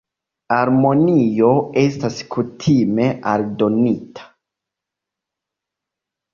Harmonio estas kutime aldonita.